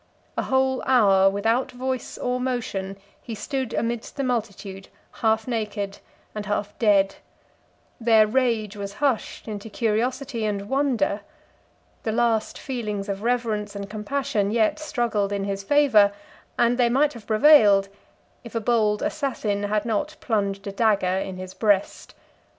A whole hour, without voice or motion, he stood amidst the multitude half naked and half dead: their rage was hushed into curiosity and wonder: the last feelings of reverence and compassion yet struggled in his favor; and they might have prevailed, if a bold assassin had not plunged a dagger in his breast.